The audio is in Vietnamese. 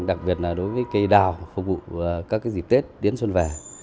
đặc biệt là đối với cây đào phục vụ các dịp tết đến xuân về